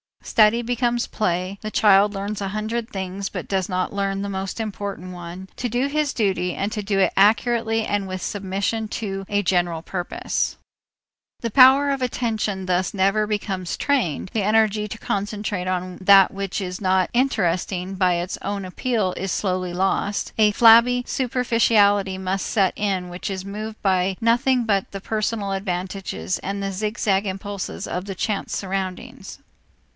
Study becomes play, the child learns a hundred things but does not learn the most important one, to do his duty and to do it accurately and with submission to a general purpose. The power of attention thus never becomes trained, the energy to concentrate on that which is not interesting by its own appeal is slowly lost, a flabby superficiality must set in which is moved by nothing but the personal advantage and the zigzag impulses of the chance surroundings.